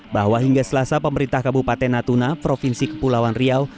bahwa hingga selasa pemerintah kabupaten natuna provinsi kepulauan riau